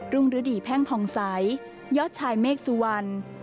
รุ่งฤดีแพ่งพองสัยยอดชายเมกสุวรรค